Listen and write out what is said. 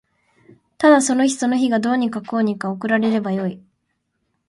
ただその日その日がどうにかこうにか送られればよい